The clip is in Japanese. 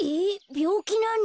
びょうきなの？